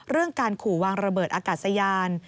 เรื่องการขู่วางระเบิดอากาศยาน